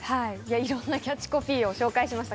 いろんなキャッチコピーを紹介しました。